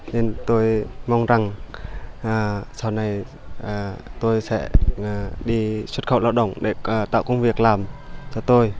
nên tôi mong rằng sau này tôi sẽ đi xuất khẩu lao động để tạo công việc làm cho tôi